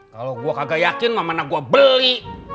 kalo gua kagak yakin mau mana gua beli